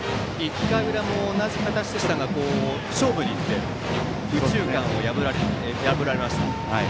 １回の裏も同じ形でしたが勝負にいって右中間を破られました。